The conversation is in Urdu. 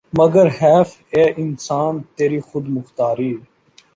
مگر حیف ہے اے انسان تیری خود مختاری